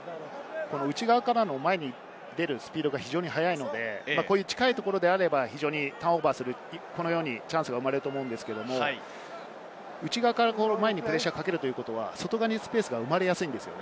内側から前に出るスピードが速いので近いところであればターンオーバーするチャンスが生まれると思うんですけれど、内側から前にプレッシャーをかけるということは外側にスペースが生まれやすいんです。